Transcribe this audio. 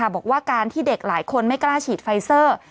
บอกว่าการที่เด็กหลายคนไม่กล้าฉีดไฟเซอร์